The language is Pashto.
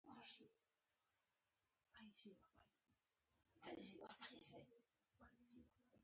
پخوا کلتوري برخې جنګونو نه وې زیانمنې کړې.